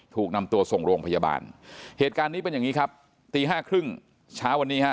ถูกนำตัวส่งโรงพยาบาลเหตุการณ์นี้เป็นอย่างนี้ครับตีห้าครึ่งเช้าวันนี้ฮะ